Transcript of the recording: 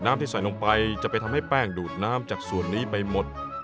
ที่ใส่ลงไปจะไปทำให้แป้งดูดน้ำจากส่วนนี้ไปหมด